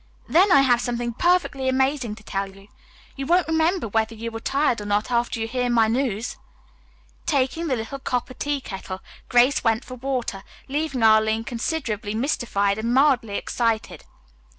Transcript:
Then I have something perfectly amazing to tell you. You won't remember whether you are tired or not after you hear my news." Taking the little copper tea kettle, Grace went for water, leaving Arline considerably mystified and mildly excited.